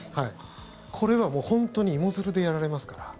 これは、本当に芋づるでやられますから。